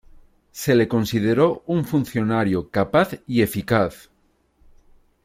Se le consideró un funcionario capaz y eficaz.